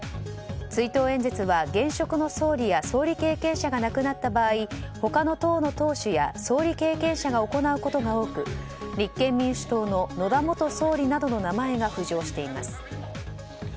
追悼演説は現職の総理や総理経験者が亡くなった場合他の党の党首や総理経験者が行うことが多く立憲民主党の野田元総理などの名前が浮上しています。